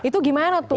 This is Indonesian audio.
itu gimana tuh